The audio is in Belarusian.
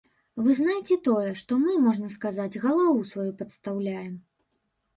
Вы знайце тое, што мы, можна сказаць, галаву сваю падстаўляем.